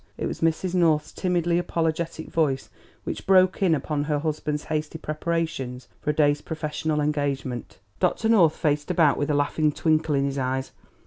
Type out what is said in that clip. It was Mrs. North's timidly apologetic voice which broke in upon her husband's hasty preparations for a day's professional engagements. Dr. North faced about with a laughing twinkle in his eyes.